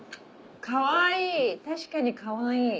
かわいい確かにかわいい。